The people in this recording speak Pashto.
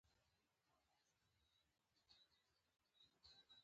لیوه څنګه په ډله کې ژوند کوي؟